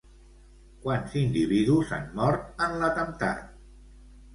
Quants individus han mort en l'atemptat?